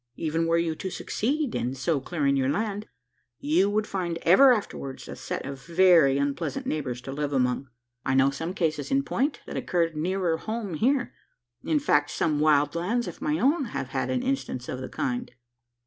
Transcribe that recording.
Even were you to succeed in so clearing your land, you would find ever afterwards a set of very unpleasant neighbours to live among. I know some cases in point, that occurred nearer home here. In fact, on some wild lands of my own I had an instance of the kind."